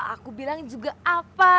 aku bilang juga apa